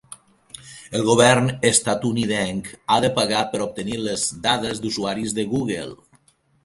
El govern estatunidenc ha de pagar per obtenir les dades d'usuaris de Google